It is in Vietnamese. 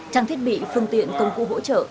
trang thiết bị phương tiện công cụ hỗ trợ